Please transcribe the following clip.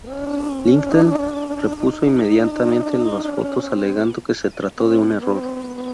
LinkedIn repuso inmediatamente las fotos alegando que se trató de un error.